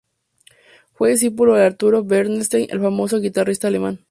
Fue discípulo de Arturo Bernstein, el famoso guitarrista Alemán.